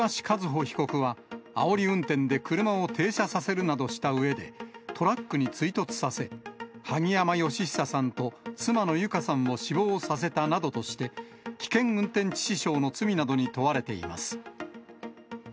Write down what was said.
和歩被告は、あおり運転で車を停車させるなどしたうえで、トラックに追突させ、萩山嘉久さんと妻の友香さんを死亡させたなどとして、危険運転致死傷の罪などに問われています。